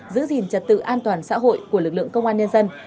giữ gìn trật tự an toàn xã hội của lực lượng công an nhân dân